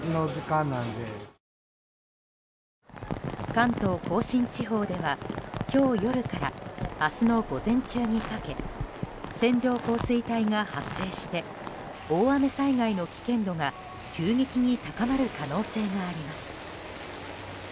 関東・甲信地方では今日夜から明日の午前中にかけ線状降水帯が発生して大雨災害の危険度が急激に高まる可能性があります。